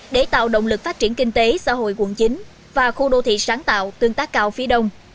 để tạo động lực phát triển kinh tế xã hội quận chín và khu đô thị sáng tạo tương tác cao phía đông